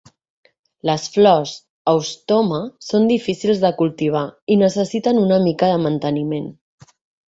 Les flors "Eustoma" són difícils de cultivar i necessiten una mica de manteniment.